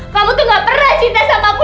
kamu tuh gak pernah cinta sama aku